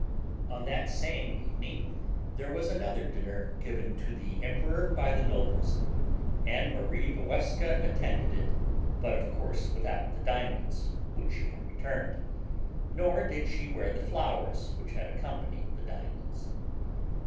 On that same evening there was another dinner, given to the emperor by the nobles, and Marie Walewska attended it, but of course without the diamonds, which she had returned. Nor did she wear the flowers which had accompanied the diamonds.